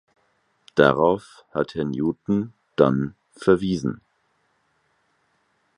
Darauf hat Herr Newton Dunn verwiesen.